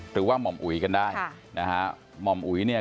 หรือว่าหม่อมอุ๋ยกันได้ค่ะนะฮะหม่อมอุ๋ยเนี่ย